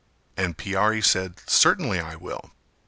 And Piyari said "Certainly I will!".